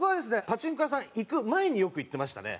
パチンコ屋さん行く前によく行ってましたね。